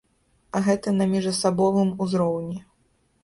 Гэта на міжасабовым узроўні.